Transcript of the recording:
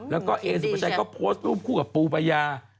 แล้วก็เอสุภาชัยก็โพสต์รูปคู่กับปูปายา